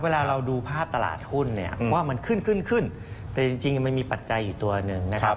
เวลาเราดูภาพตลาดหุ้นเนี่ยว่ามันขึ้นขึ้นขึ้นขึ้นแต่จริงมันมีปัจจัยอยู่ตัวหนึ่งนะครับ